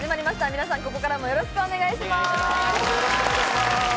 皆さん、ここからもよろしくお願いします。